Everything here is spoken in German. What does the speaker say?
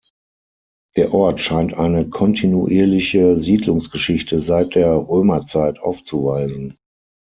Der Ort scheint eine kontinuierliche Siedlungsgeschichte seit der Römerzeit aufzuweisen.